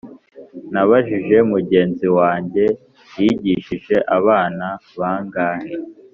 nabajije mugenzi wanjye yigishije abana bangahe